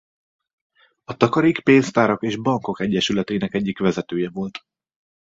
A Takarékpénztárak és Bankok Egyesületének egyik vezetője volt.